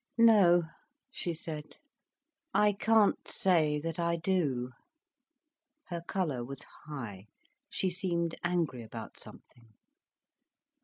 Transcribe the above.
"No," she said. "I can't say that I do." Her colour was high, she seemed angry about something.